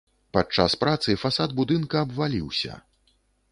Падчас працы фасад будынка абваліўся.